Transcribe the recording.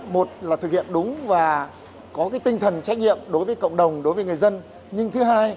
một là thực hiện đúng và có tinh thần trách nhiệm đối với cộng đồng đối với người dân nhưng thứ hai